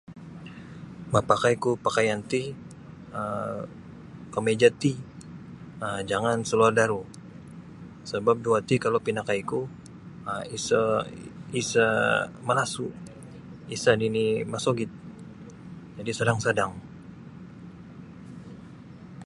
Mapakai ku pakaian ti um kemeja T um jangan saluar daru sabab dua ti kalau pinakai ku um isa isa malasu isa nini mosogit jadi sadang-sadang.